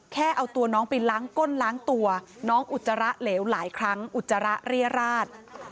แค่เอาตัวน้องไปล้างก้นล้างตัวน้องอุจจาระเหลวหลายครั้งอุจจาระเรียราช